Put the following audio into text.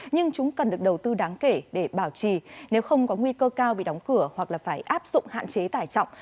nhưng chúng cần được đầu tư đáng kể để bảo trì nếu không có nguy cơ cao bị đóng cửa hoặc là phải áp dụng hạn chế tải trọng